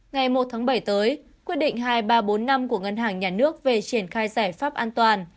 ngày một tháng bảy tới quyết định hai nghìn ba trăm bốn mươi năm của ngân hàng nhà nước về triển khai giải pháp an toàn